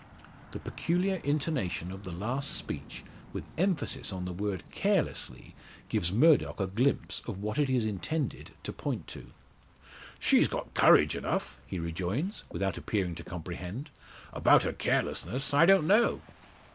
The peculiar intonation of the last speech, with emphasis on the word carelessly, gives Murdock a glimpse of what it is intended to point to. "She's got courage enough," he rejoins, without appearing to comprehend. "About her carelessness, I don't know."